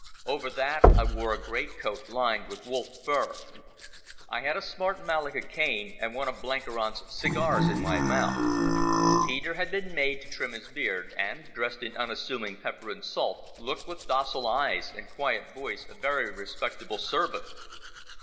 Over that I wore a greatcoat lined with wolf fur. I had a smart malacca cane, and one of Blenkiron's cigars in my mouth. Peter had been made to trim his beard, and, dressed in unassuming pepper and salt, looked with his docile eyes and quiet voice a very respectable servant.